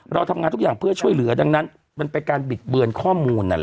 เราทำงานทุกอย่างเพื่อช่วยเหลือดังนั้นมันเป็นการบิดเบือนข้อมูลนั่นแหละ